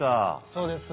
そうです。